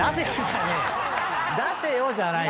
「出せよ」じゃない。